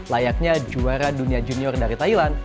layaknya juara dunia junior dari thailand